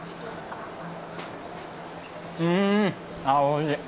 うーん、あ、おいしい。